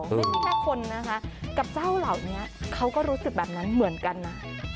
ไม่ใช่แค่คนนะคะกับเจ้าเหล่านี้เขาก็รู้สึกแบบนั้นเหมือนกันนะ